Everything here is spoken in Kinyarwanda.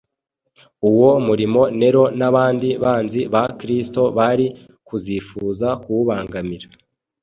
Uwo murimo Nero n’abandi banzi ba Kristo bari kuzifuza kuwubangamira